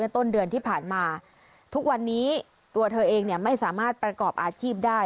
ต้นเดือนที่ผ่านมาทุกวันนี้ตัวเธอเองไม่สามารถประกอบอาชีพได้